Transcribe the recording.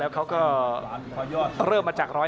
อัศวินาศาสตร์